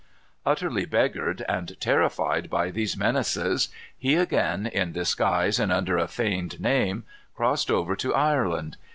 Utterly beggared, and terrified by these menaces, he again, in disguise, and under a feigned name, crossed over to Ireland.